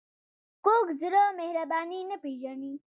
کوږ زړه مهرباني نه پېژني